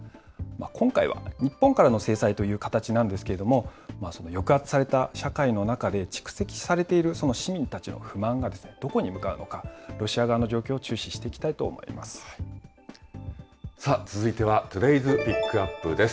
今回は日本からの制裁という形なんですけれども、抑圧された社会の中で、蓄積されている市民たちの不満がどこに向かうのか、ロシア側の状況を注視していきたいと続いてはトゥデイズ・ピックアップです。